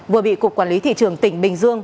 vừa bị cục quản lý thị trường tỉnh bình dương